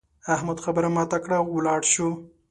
احمد خبره ماته کړه او ولاړ شو.